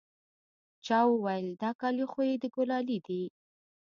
چا وويل دا كالي خو يې د ګلالي دي.